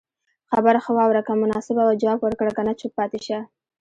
خبره خه واوره که مناسبه وه جواب ورکړه که نه چوپ پاتي شته